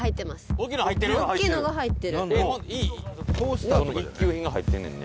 小田：「一級品が入ってるねんね」